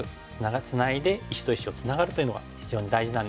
ツナいで石と石をツナがるというのが非常に大事なんですけれども。